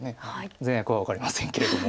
善悪は分かりませんけれども。